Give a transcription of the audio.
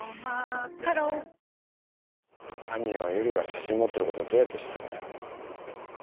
ハロー犯人は由理が写真持ってることをどうやって知ったんだよ？